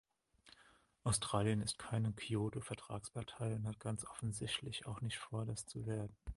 Australien ist keine Kyoto-Vertragspartei und hat ganz offensichtlich auch nicht vor, das zu werden.